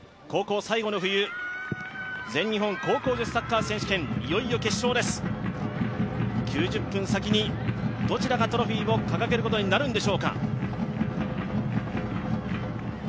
高校最後の冬全日本高校女子サッカー選手権９０分、先にどちらがトロフィーを掲げることになるんでしょうか。